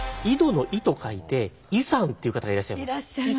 井戸の「井」と書いて井さんっていう方がいらっしゃいます。